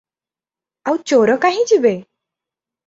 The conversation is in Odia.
ଆଉ ଚୋର କାହିଁ ଯିବେ?